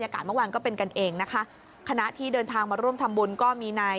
ก็เป็นกันเองนะคะคณะที่เดินทางมาร่วมทำบุญก็มีใน